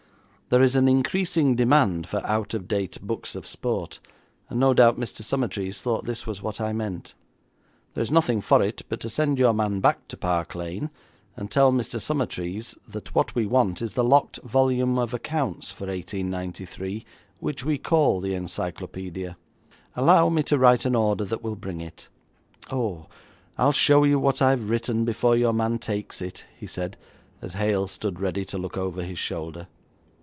There is an increasing demand for out of date books of sport, and no doubt Mr. Summertrees thought this was what I meant. There is nothing for it but to send your man back to Park Lane and tell Mr. Summertrees that what we want is the locked volume of accounts for 1893, which we call the encyclopaedia. Allow me to write an order that will bring it. Oh, I'll show you what I have written before your man takes it,' he said, as Hale stood ready to look over his shoulder.